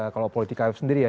kalau politika f sendiri ya